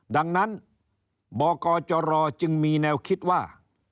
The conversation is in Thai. ดังนั้นบกจรจึงมีแนวคิดว่า